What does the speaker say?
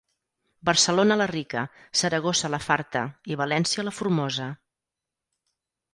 Barcelona la rica, Saragossa la farta i València la formosa.